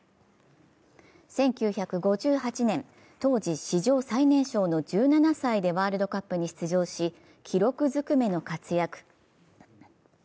１９５８年、当時史上最年少の１７歳でワールドカップに出場し、記録ずくめの活躍。